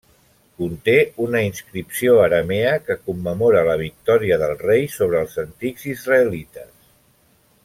Conté una inscripció aramea que commemora la victòria del rei sobre els antics israelites.